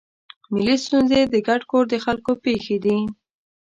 ملي ستونزې د ګډ کور د خلکو پېښې دي.